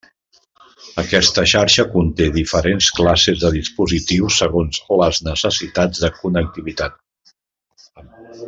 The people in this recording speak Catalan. Aquesta xarxa conte diferents classes de dispositius segons les necessitats de connectivitat.